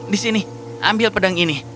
di sini ambil pedang ini